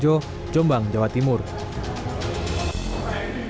jangan lupa untuk berlangganan dan berlangganan